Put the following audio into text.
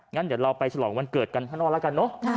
งั้นเดี๋ยวเราไปฉลองวันเกิดกันข้างนอกแล้วกันเนอะ